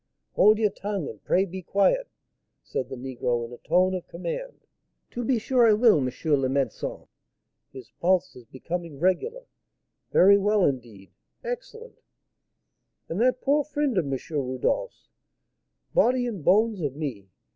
"Hold your tongue! and pray be quiet!" said the negro, in a tone of command. "To be sure I will, M. le Médécin." "His pulse is becoming regular very well, indeed excellent " "And that poor friend of M. Rodolph's, body and bones of me!